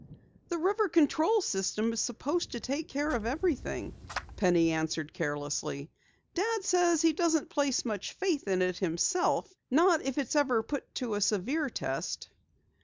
"The river control system is supposed to take care of everything," Penny answered carelessly. "Dad says he doesn't place much faith in it himself not if it's ever put to a severe test."